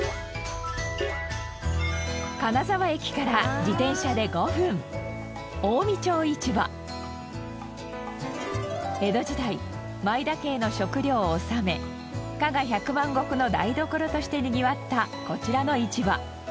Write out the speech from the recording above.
金沢駅から自転車で５分江戸時代前田家への食料を納め加賀百万石の台所としてにぎわったこちらの市場。